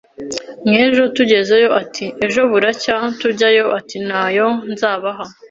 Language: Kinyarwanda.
nk’ejo tugezeyo ati ejo, buracya tujyayo ati ntayo nzabaha